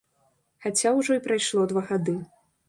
Хаця ўжо і прайшло два гады.